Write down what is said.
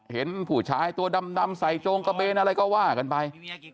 เห็นผู้ชายตัวดำใส่โจงกระเบนอะไรก็ว่ากันไป